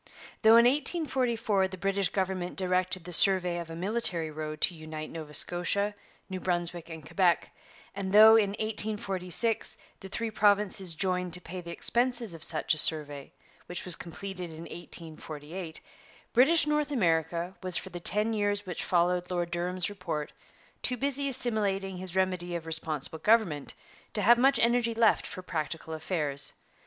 Though in 1844 the British government directed the survey of a military road to unite Nova Scotia, New Brunswick, and Quebec, and though in 1846 the three provinces joined to pay the expenses of such a survey, which was completed in 1848, British North America was for the ten years which followed Lord Durham's Report too busy assimilating his remedy of Responsible Government to have much energy left for practical affairs.